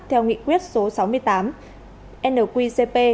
theo nghị quyết số sáu mươi tám nqcp